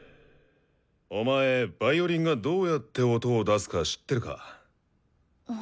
お前ヴァイオリンがどうやって音を出すか知ってるか？